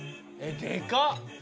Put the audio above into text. でかっ。